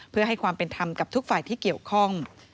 เพื่อให้ความเป็นธรรมกับทุกฝ่ายที่เกี่ยวข้อง